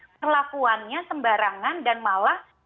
kelakuannya sembarangan dan malah